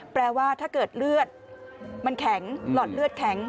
แปลว่าถ้าเกิดเลือดมันแข็งหลอดเลือดแข็ง